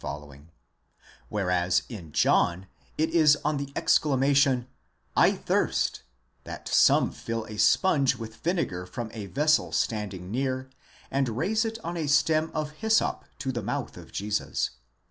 16 whereas in John it is on the exclamation: JZ ¢hirst, that some fill a sponge with vinegar from a vessel standing near, and raise it on a stem of hyssop to the mouth of Jesus (v.